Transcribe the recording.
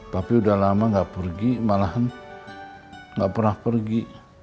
papi udah lama gak pergi malahan gak pernah pergi